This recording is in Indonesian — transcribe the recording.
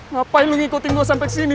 ngapain lu ngikutin gue sampai kesini